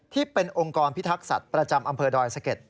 ที่เป็นองค์กรพิทักษัตริย์ประจำอำเภอดอยสะเก็ด